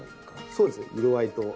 そうですね色合いと。